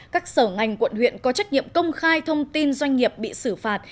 các sở ngành quận huyện có trách nhiệm công khai thông tin doanh nghiệp bị xử phạt